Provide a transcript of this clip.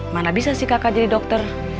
mana bisa si kaka jadi dokter